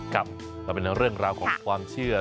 ก็เป็นเรื่องราวของความเชื่อ